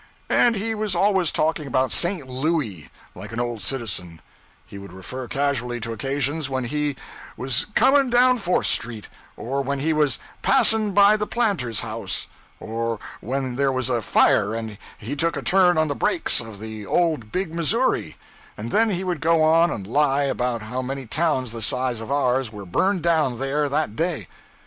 And he was always talking about 'St. Looy' like an old citizen; he would refer casually to occasions when he 'was coming down Fourth Street,' or when he was 'passing by the Planter's House,' or when there was a fire and he took a turn on the brakes of 'the old Big Missouri;' and then he would go on and lie about how many towns the size of ours were burned down there that day.